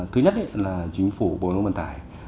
thứ nhất là chính phủ bổ nông bản tải